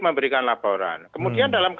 memberikan laporan kemudian dalam